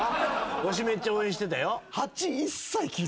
わしめっちゃ応援してたよ。